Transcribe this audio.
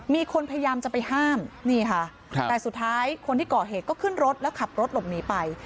มีคนพยายามจะไปห้ามนี่ค่ะแต่สุดท้ายคนที่ก่อเหตุก็ขึ้นรถแล้วขับรถหลบหนีไป